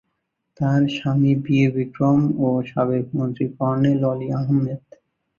তার স্বামী বীর বিক্রম ও সাবেক মন্ত্রী কর্নেল অলি আহমেদ।